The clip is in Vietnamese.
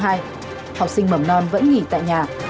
học sinh mẩm non vẫn nghỉ tại nhà